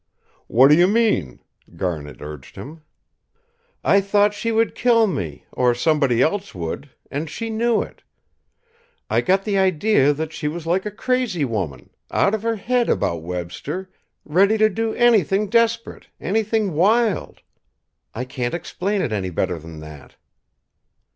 "What do you mean?" Garnet urged him. "I thought she would kill me, or somebody else would, and she knew it. I got the idea that she was like a crazy woman, out of her head about Webster, ready to do anything desperate, anything wild. I can't explain it any better than that."